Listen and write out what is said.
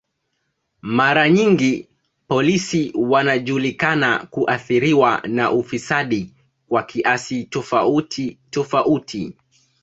Mara nyingi polisi wanajulikana kuathiriwa na ufisadi kwa kiasi tofauti tofauti.